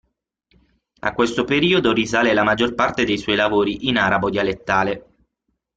A questo periodo risale la maggior parte dei suoi lavori in arabo dialettale.